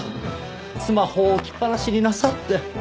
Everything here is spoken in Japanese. スマホを置きっぱなしになさって。